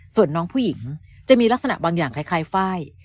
ส่วนน้องผู้หญิงจะมีลักษณะบางอย่างคล้ายไฟล์